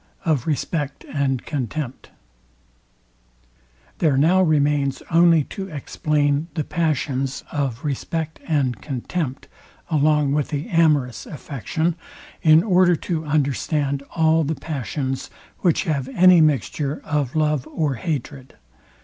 X OF RESPECT AND CONTEMPT There now remains only to explain the passion of respect and contempt, along with the amorous affection, in order to understand all the passions which have any mixture of love or hatred.